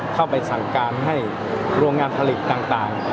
เข้าไปสั่งการให้โรงงานผลิตต่าง